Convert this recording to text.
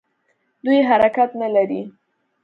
دوی حرکت نه لري.